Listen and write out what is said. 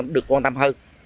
được quan tâm hơn